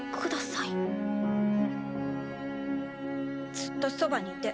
ずっとそばにいて。